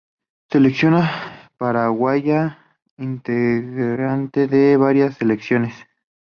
Selección paraguaya: Integrante de varias selecciones.